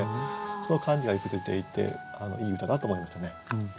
その感じがよく出ていていい歌だと思いましたね。